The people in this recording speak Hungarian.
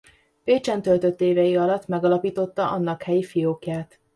Pécsen töltött évei alatt megalapította annak helyi fiókját.